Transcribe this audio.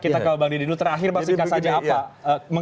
kita ke bang didi dulu terakhir bang singkat saja apa